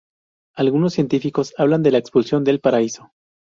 Algunos científicos hablan de la expulsión del paraíso.